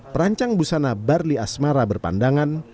perancang busana barli asmara berpandangan